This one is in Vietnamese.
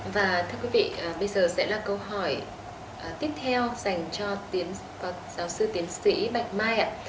và thưa quý vị bây giờ sẽ là câu hỏi tiếp theo dành cho giáo sư tiến sĩ bạch mai ạ